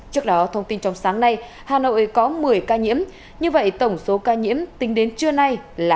trước đó thông tin trong sáng nay hà nội có một mươi ca nhiễm như vậy tổng số ca nhiễm tính đến trưa nay là ba mươi bốn ca